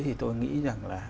thì tôi nghĩ rằng là